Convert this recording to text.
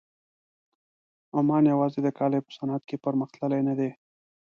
عمان یوازې د کالیو په صنعت کې پرمخ تللی نه دی.